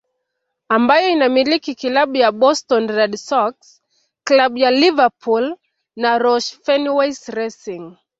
Ambayo inamiliki Klabu ya Boston Red Sox klabu ya Liverpool na Roush Fenways Racing